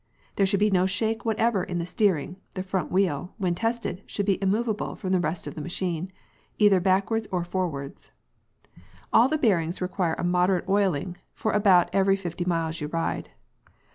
There should be no shake whatever in the steering, the front wheel, when tested, should be immoveable from the rest of the machine, either backwards or forwards. All the bearings require a moderate oiling for about every fifty miles you ride.